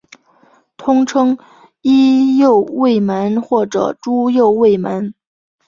通称伊又卫门或猪右卫门。